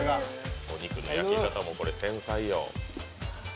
お肉の焼き方も繊細よ。